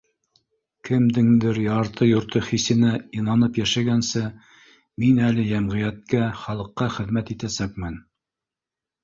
Кемдең дер ярты-йорто хисенә инанып йәшәгәнсе, мин әле йәм ғиәткә, халыҡҡа хеҙмәт итәсәкмен